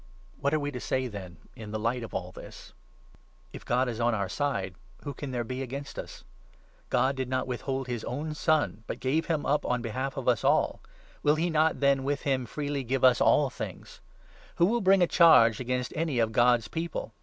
What are we to say, then, in the light of all this? If God 31 is on our side, who can there be against us ? God did not 32 withhold his own Son, but gave him up on behalf of us all; will he not, then, with him, freely give us all things ? Who 33 will bring a charge against any of God's People